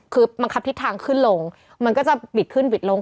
คือบังคับทิศทางขึ้นลงมันก็จะบิดขึ้นบิดลง